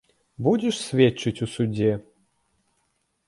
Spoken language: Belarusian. Будзеш сведчыць у судзе?